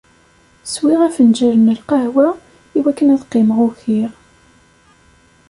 Swiɣ afenǧal n lqahwa iwakken ad qqimeɣ ukiɣ.